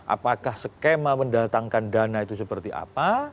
apakah skema mendatangkan dana itu seperti apa